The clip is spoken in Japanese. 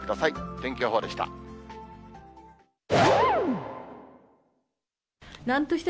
天気予報でした。